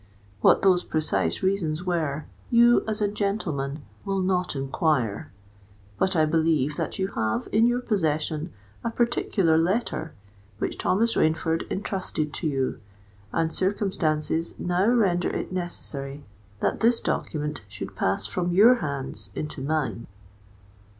What those precise reasons were, you, as a gentleman, will not enquire: but I believe that you have in your possession a particular letter, which Thomas Rainford entrusted to you; and circumstances now render it necessary that this document should pass from your hands into mine."